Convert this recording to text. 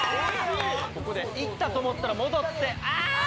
ここでいったと思ったら戻ってああーっ！